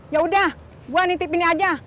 yaudah gue nitipin aja